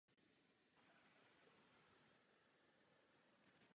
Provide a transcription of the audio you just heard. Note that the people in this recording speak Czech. Sbírají se těsně po odkvětu.